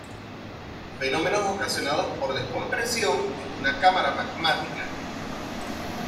Fenómenos ocasionados por "descompresión" en una cámara magmática.